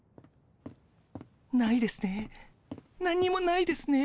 ないですね。